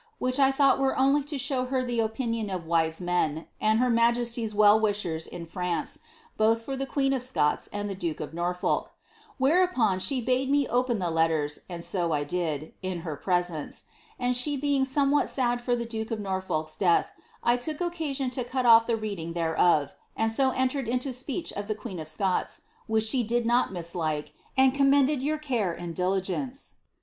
which I thought were only to shew her the opinion of wise men, and her mtjcsty's well wishers in France, both for the queen of Scots and the duke of Norfolk :' whereupon, she bade me open the letters, and so I did, in her presence; tod slie being somewhat sad for tlie duke of Norfolk's death, I took occasion to CQt off tlie reading thereof, and so entered into speech of the queen of Scots, vhicb she did not mislike, and commended your care and diligence."